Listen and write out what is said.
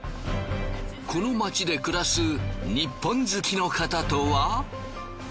この街で暮らすニッポン好きの方とは？